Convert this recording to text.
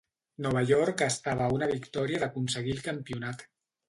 Nova York estava a una victòria d'aconseguir el campionat.